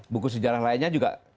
buku sejarah lainnya juga